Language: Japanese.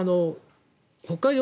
北海道